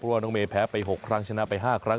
ว่าน้องเมย์แพ้ไป๖ครั้งชนะไป๕ครั้ง